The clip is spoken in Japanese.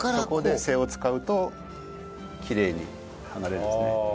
そこで背を使うときれいに剥がれるんですね。